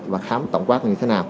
và khám tổng quát là như thế nào